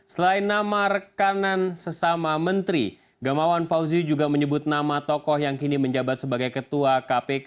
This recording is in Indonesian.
selain nama rekanan sesama menteri gamawan fauzi juga menyebut nama tokoh yang kini menjabat sebagai ketua kpk